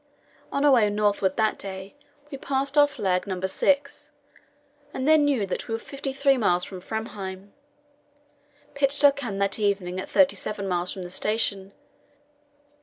On our way northward that day we passed our flag No. 6, and then knew that we were fifty three miles from Framheim. Pitched our camp that evening at thirty seven miles from the station.